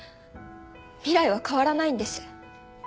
未来は変わらないんです。